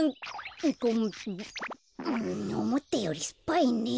んおもったよりすっぱいね。